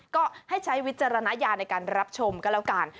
ก็ให้ใช้วิจารณญาณในการรับชมก็แล้วกัน